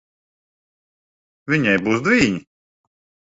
Viņai būs dvīņi.